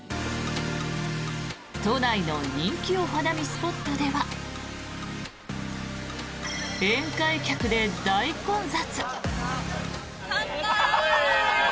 都内の人気お花見スポットでは宴会客で大混雑。